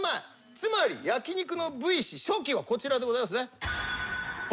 つまり焼肉の部位史初期はこちらでございますね。